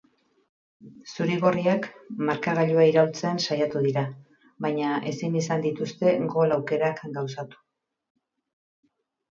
Zuri-gorriak markagailua iraultzen saiatu dira, baina ezin izan dituzte gol aukerak gauzatu.